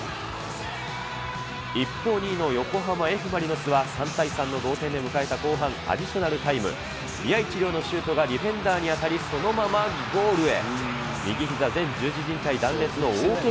一方、２位の横浜Ｆ・マリノスは３対３の同点で迎えた後半アディショナルタイム、宮市亮のシュートがディフェンダーに当たり、そのままゴールへ。